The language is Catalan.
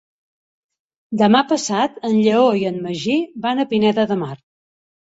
Demà passat en Lleó i en Magí van a Pineda de Mar.